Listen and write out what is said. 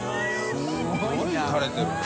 すごい垂れてるもんな。